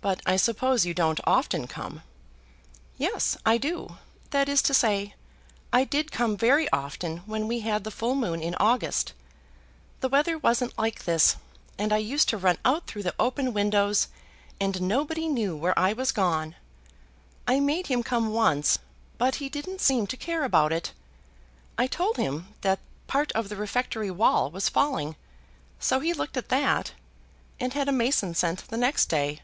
"But I suppose you don't often come." "Yes, I do; that is to say, I did come very often when we had the full moon in August. The weather wasn't like this, and I used to run out through the open windows and nobody knew where I was gone. I made him come once, but he didn't seem to care about it. I told him that part of the refectory wall was falling; so he looked at that, and had a mason sent the next day.